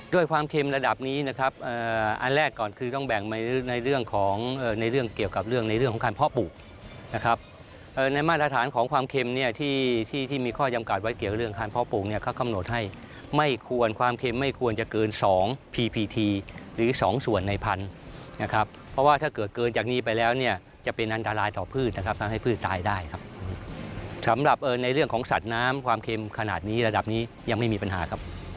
ด้วยความเข็มระดับนี้นะครับอันแรกก่อนคือต้องแบ่งมาในเรื่องของในเรื่องเกี่ยวกับเรื่องในเรื่องของคารเพาะปลูกนะครับในมาตรฐานของความเข็มเนี่ยที่ที่ที่มีข้อยำการวัดเกี่ยวเรื่องคารเพาะปลูกเนี่ยเขาคำโนตให้ไม่ควรความเข็มไม่ควรจะเกินสองพีพีทีหรือสองส่วนในพันธุ์นะครับเพราะว่าถ้าเกิดเกินจาก